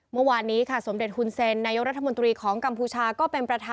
เมื่อวานนี้ครับสวมเด็จคุณเซ็นต์